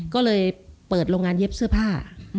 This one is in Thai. ก็เลยเปิดโรงงานเย็บเสื้อผ้า